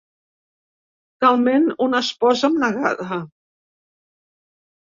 Talment una esposa abnegada.